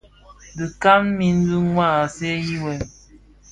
Kidhaň min bi maa seňi wêm,